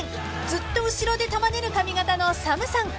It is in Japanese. ずっと後ろで束ねる髪形のＳＡＭさん］